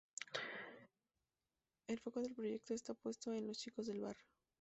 El foco del proyecto está puesto en los chicos del Barrio.